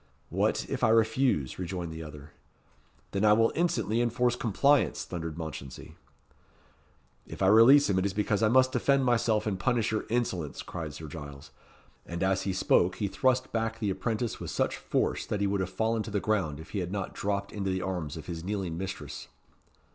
"What, if I refuse?" rejoined the other. "Then I will instantly enforce compliance," thundered Mounchensey. "If I release him it is because I must defend myself and punish your insolence," cried Sir Giles. And as he spoke, he thrust back the apprentice with such force that he would have fallen to the ground if he had not dropped into the arms of his kneeling mistress.